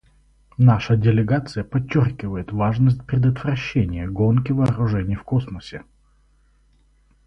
Наша делегация подчеркивает важность предотвращения гонки вооружений в космосе.